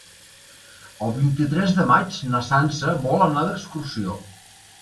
El vint-i-tres de maig na Sança vol anar d'excursió.